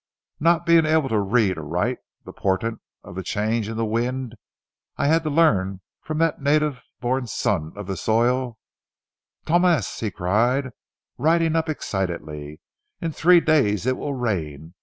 Not being able to read aright the portent of the change in the wind, I had to learn from that native born son of the soil: "Tomas," he cried, riding up excitedly, "in three days it will rain!